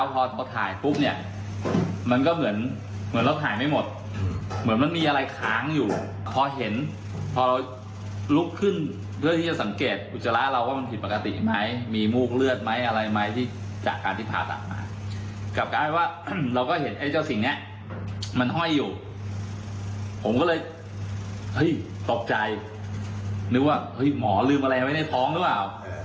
ผมก็เลยตกใจนึกว่าหมอลืมอะไรไว้ในท้องหรือเปล่า